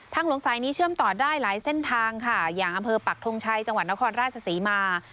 หลวงสายนี้เชื่อมต่อได้หลายเส้นทางค่ะอย่างอำเภอปักทงชัยจังหวัดนครราชศรีมา